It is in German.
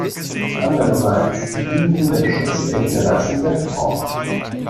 Andererseits dienen sie dem Schutz der Interessen der Verbraucher.